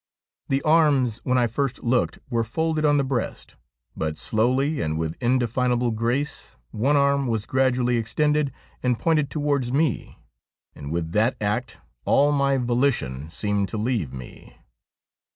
The arms when I first looked were folded on the breast, but slowly and with indefinable grace one arm was gradually extended and pointed towards me, and with that act all my volition seemed to leave me.